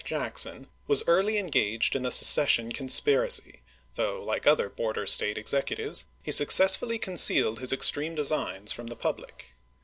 Jackson, L was early engaged in the secession conspiracy, though, like other border State executives, he suc cessfully concealed his extreme designs from the public.